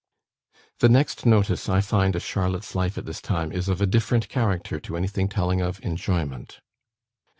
The next notice I find of Charlotte's life at this time is of a different character to anything telling of enjoyment.